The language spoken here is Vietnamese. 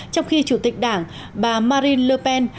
trong khi chủ tịch đảng bà marine le pen